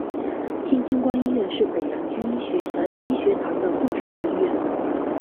天津官医院是北洋军医学堂的附属医院。